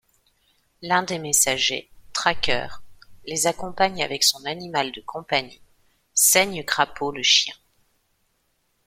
L'un des messagers, Traqueur, les accompagne avec son animal de compagnie, Saigne-Crapaud le Chien.